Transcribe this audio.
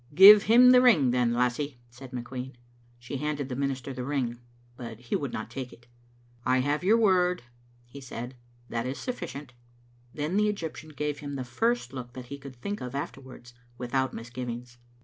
"Give him the ring then, lassie," said McQueen. She handed the minister the ring, but he would not take it. " I have your word," he said; " that is sufficient." Then the Egyptian gave him the first look that he could think of afterwards without misgivings.